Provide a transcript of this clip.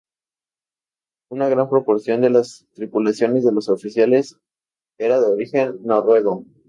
Una gran proporción de las tripulaciones y de los oficiales eran de origen noruego.